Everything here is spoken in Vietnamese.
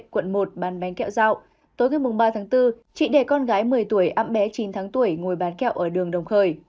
quận một bán bánh kẹo rau tối ngày ba tháng bốn chị để con gái một mươi tuổi ẵm bé chín tháng tuổi ngồi bán kẹo ở đường đồng khơi